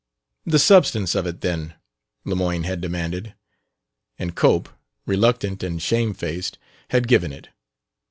"The substance of it, then," Lemoyne had demanded; and Cope, reluctant and shame faced, had given it.